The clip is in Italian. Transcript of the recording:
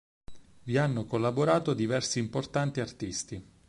Vi hanno collaborato diversi importanti artisti.